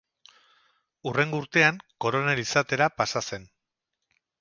Hurrengo urtean, koronel izatera pasa zen.